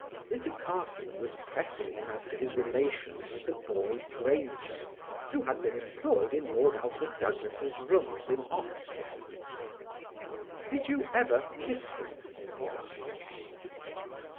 Mr. Carson was pressing him as to his relations with the boy Grainger, who had been employed in Lord Alfred Douglas' rooms in Oxford. "Did you ever kiss him?" he asked.